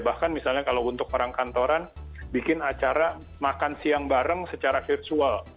bahkan misalnya kalau untuk orang kantoran bikin acara makan siang bareng secara virtual